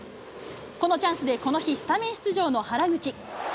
このチャンスでこの日、スタメン出場の原口。